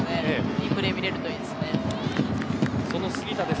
いいプレー見れるといいですね。